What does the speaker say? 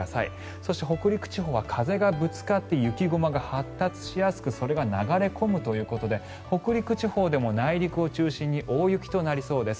そして、北陸地方は風がぶつかって雪雲が発達しやすくそれが流れ込むということで北陸地方でも内陸を中心に大雪となりそうです。